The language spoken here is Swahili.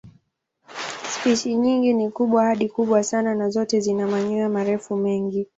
Spishi nyingi ni kubwa hadi kubwa sana na zote zina manyoya marefu mengi.